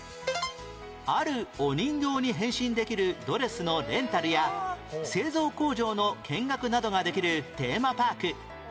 あるお人形に変身できるドレスのレンタルや製造工場の見学などができるテーマパーク